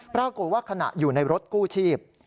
ปรากฏว่าขณะอยู่ในรถกู้ชีพ